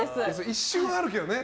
一瞬、あるけどね。